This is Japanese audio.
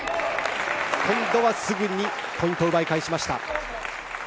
今度は、すぐにポイントを奪い返しました。